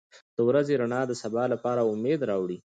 • د ورځې رڼا د سبا لپاره امید راوړي.